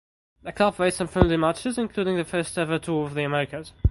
The club played some friendly matches including their first ever tour of the Americas.